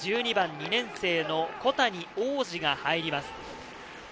１２番、２年生の小谷旺嗣が入ります。